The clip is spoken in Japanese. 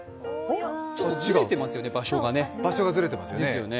ちょっとずれてますよね、場所が。